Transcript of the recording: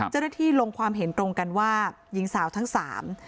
เจ้าหน้าที่ลงความเห็นตรงกันว่าหญิงสาวทั้งสาม